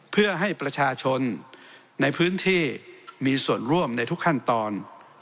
เพื่อให้ประชาชนในพื้นที่มีส่วนร่วมในทุกขั้นตอน